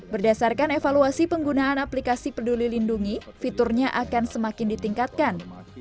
berdasarkan evaluasi penggunaan aplikasi peduli lindungi fiturnya akan semakin ditingkatkan